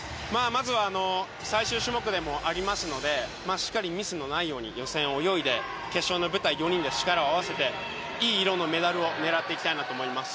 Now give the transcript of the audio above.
まずは最終種目でもありますのでしっかりミスのないように予選を泳いで決勝の舞台、４人で力を合わせていい色のメダルを狙っていきたいと思います。